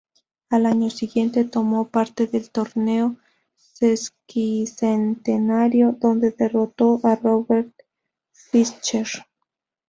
Al año siguiente tomó parte del torneo Sesquicentenario, donde derrotó a Robert Fischer.